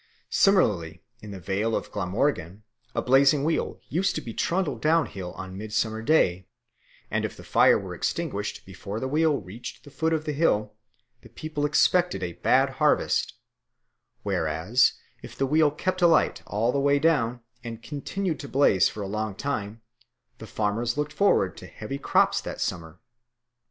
Similarly in the Vale of Glamorgan a blazing wheel used to be trundled down hill on Midsummer Day, and if the fire were extinguished before the wheel reached the foot of the hill, the people expected a bad harvest; whereas if the wheel kept alight all the way down and continued to blaze for a long time, the farmers looked forward to heavy crops that summer.